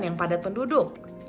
yang padat penduduk